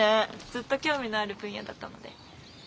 ずっと興味のある分野だったので。